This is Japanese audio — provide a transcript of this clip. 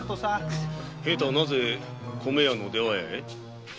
平太はなぜ米屋の出羽屋へ？